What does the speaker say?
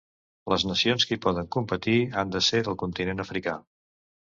Les nacions que hi poden competir han de ser del continent africà.